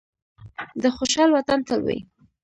د خوشحال وطن تل وي.